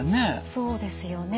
そうですよね。